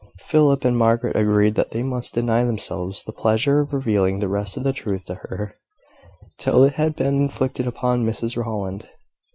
Philip and Margaret agreed that they must deny themselves the pleasure of revealing the rest of the truth to her, till it had been inflicted upon Mrs Rowland.